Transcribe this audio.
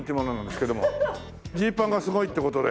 ジーパンがすごいっていう事で。